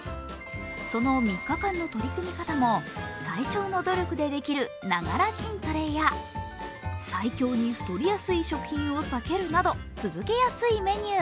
その３日間の取り組み方も、最小の努力でできるながら筋トレや最凶に太りやすい食品を避けるなど、続けやすいメニュー。